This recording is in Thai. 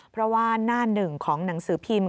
เพราะว่าหน้าหนึ่งของหนังสือพิมพ์